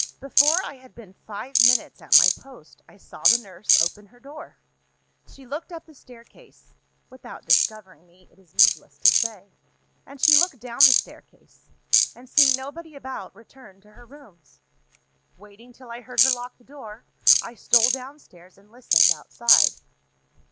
Before I had been five minutes at my post, I saw the nurse open her door. She looked up the staircase (without discovering me, it is needless to say), and she looked down the staircase and, seeing nobody about, returned to her rooms. "Waiting till I heard her lock the door, I stole downstairs, and listened outside.